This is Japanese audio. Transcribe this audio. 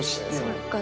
「そっか。